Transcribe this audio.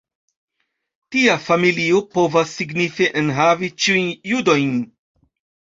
Tia familio povas signife enhavi ĉiujn judojn.